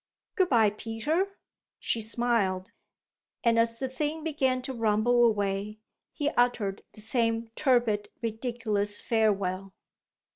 "Good bye, Peter," she smiled; and as the thing began to rumble away he uttered the same tepid, ridiculous farewell.